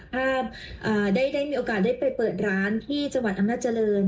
ภาพได้มีโอกาสได้ไปเปิดร้านที่จังหวัดอำนาจริง